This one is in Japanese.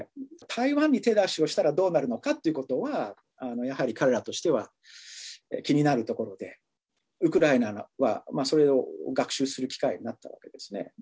台湾に手出しをしたらどうなるのかっていうことは、やはり彼らとしては気になるところで、ウクライナはそれを学習する機会になったわけですね。